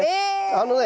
あのね